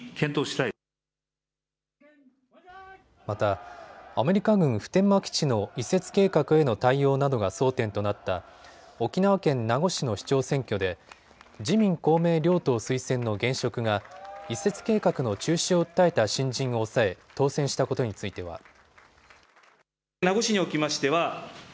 また、アメリカ軍普天間基地の移設計画への対応などが争点となった沖縄県名護市の市長選挙で自民公明両党推薦の現職が移設計画の中止を訴えた新人を抑え、当選したことについては。